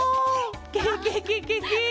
ケケケケケ！